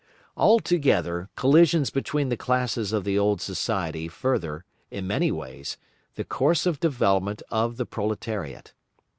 Altogether collisions between the classes of the old society further, in many ways, the course of development of the proletariat.